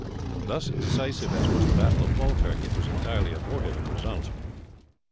Thus decisive as was the battle of Falkirk it was entirely abortive in results.